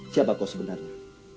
siapa kau sebenarnya